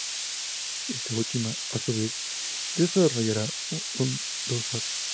Esta última a su vez se desarrollará en dos fases.